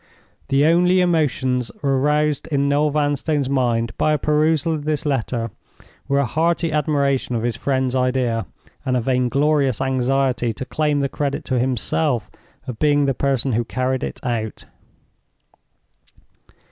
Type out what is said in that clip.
The only emotions aroused in Noel Vanstone's mind by a perusal of the letter were a hearty admiration of his friend's idea, and a vainglorious anxiety to claim the credit to himself of being the person who carried it out.